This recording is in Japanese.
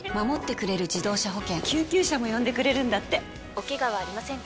・おケガはありませんか？